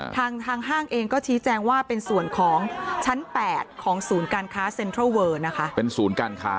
ทางทางห้างเองก็ชี้แจงว่าเป็นส่วนของชั้น๘ของศูนย์การค้าเซ็นทรัลเวอร์นะคะเป็นศูนย์การค้า